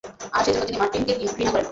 আর সেজন্য তিনি মার্টিন কে ঘৃণা করেন।